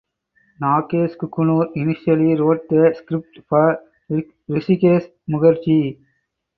Nagesh Kukunoor initially wrote the script for Hrishikesh Mukherjee.